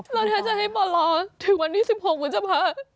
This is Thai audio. เราแท้จะให้ปอรอถึงวันที่๑๖พภ